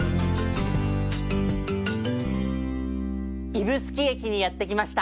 指宿駅にやってきました！